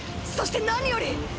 そして何より！！